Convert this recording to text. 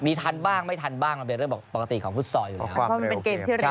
ทันบ้างไม่ทันบ้างมันเป็นเรื่องปกติของฟุตซอลอยู่แล้วเพราะมันเป็นเกมที่เร็ว